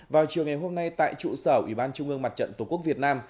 vào chiều ngày hôm nay tại trụ sở ủy ban trung ương mặt trận tổ quốc việt nam